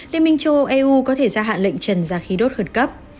liên minh châu âu eu có thể gia hạn lệnh trần giá khí đốt khẩn cấp